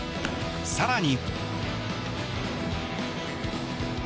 更に。